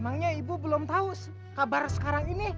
memangnya ibu belum tahu kabar sekarang ini